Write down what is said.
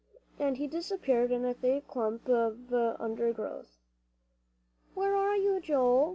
and he disappeared in a thick clump of undergrowth. "Where are you, Joel?"